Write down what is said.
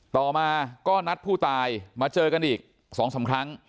ต่อมาก็นัดผู้ตายมาเจอกันอีก๒๓ครั้ง